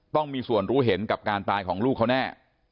ต้องมีส่วนรู้เห็นกับการตายของลูกเขาแน่